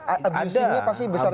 abusingnya pasti besar juga